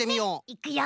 いくよ！